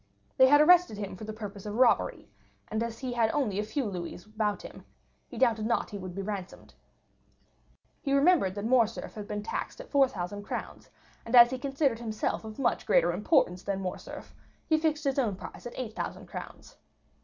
They had arrested him for the purpose of robbery, and as he had only a few louis about him, he doubted not he would be ransomed. He remembered that Morcerf had been taxed at 4,000 crowns, and as he considered himself of much greater importance than Morcerf he fixed his own price at 8,000 crowns.